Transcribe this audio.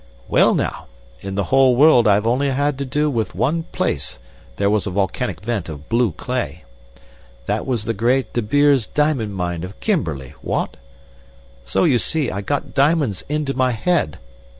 "Well, now, in the whole world I've only had to do with one place that was a volcanic vent of blue clay. That was the great De Beers Diamond Mine of Kimberley what? So you see I got diamonds into my head.